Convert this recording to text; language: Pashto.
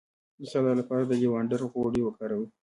د سر درد لپاره د لیوانډر غوړي وکاروئ